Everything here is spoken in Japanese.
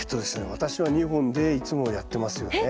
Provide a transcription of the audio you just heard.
私は２本でいつもやってますよね。